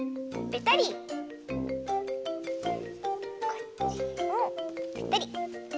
こっちもぺたり。